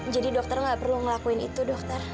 jadi dokter nggak perlu ngelakuin itu dokter